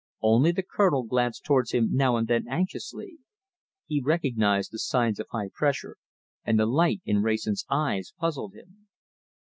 Only the Colonel glanced towards him now and then anxiously. He recognized the signs of high pressure, and the light in Wrayson's eyes puzzled him.